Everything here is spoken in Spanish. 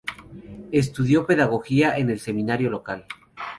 Estudió pedagogía en el seminario local.